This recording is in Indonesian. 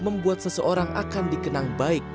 membuat seseorang akan dikenang baik